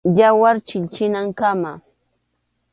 Yawar chilchinankama.